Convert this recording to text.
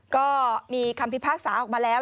ก็มีคำพิพากษาออกมาแล้ว